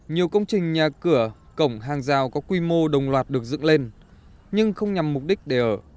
nhiều công trình nhà cửa cổng hàng rào có quy mô đồng loạt được dựng lên nhưng không nhằm mục đích để ở